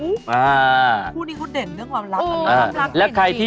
ผู้นี้เขาเด่นเรื่องความรัก